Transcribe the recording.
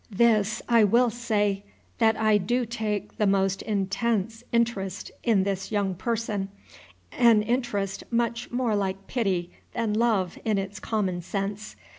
This I will say, that I do take the most intense interest in this young person, an interest much more like pity than love in its common sense.